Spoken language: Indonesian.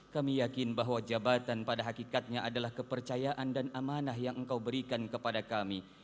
kami yakin bahwa jabatan pada hakikatnya adalah kepercayaan dan amanah yang engkau berikan kepada kami